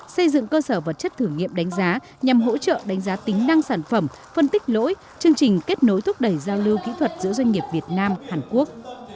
xây dựng cơ sở vật chất thử nghiệm đánh giá nhằm hỗ trợ đánh giá tính năng sản phẩm phân tích lỗi chương trình kết nối thúc đẩy giao lưu kỹ thuật giữa doanh nghiệp việt nam hàn quốc